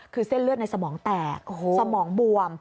คือเส้นเลือดในสมองแตกสมองบวม